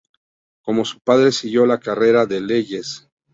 Como su padre siguió la carrera de Leyes.